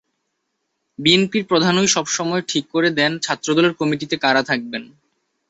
বিএনপির প্রধানই সব সময় ঠিক করে দেন ছাত্রদলের কমিটিতে কারা থাকবেন।